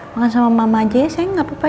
makan sama mama aja ya saya nggak apa apa ya